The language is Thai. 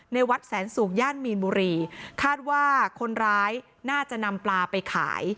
วัดแสนสุกย่านมีนบุรีคาดว่าคนร้ายน่าจะนำปลาไปขาย